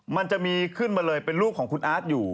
มันจะมีขึ้นมาเลยเป็นลูกของคุณอาร์ตอยู่